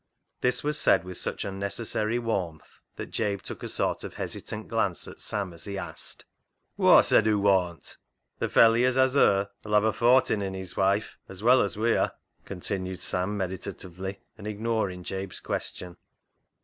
This was said with such unnecessary warmth that Jabe took a sort of hesitant glance at Sam as he asked —" Whoa said hoo worn't ?"" Th' felley as hes her 'ull have a fortin in his wife as well as wi' her," continued Sam meditatively and ignoring Jabe's question.